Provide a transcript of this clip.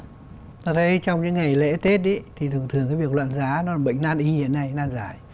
tôi thấy trong những ngày lễ tết thì thường thường cái việc loạn giá nó bệnh nan y hiện nay nan giải